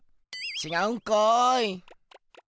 ちがうんかい！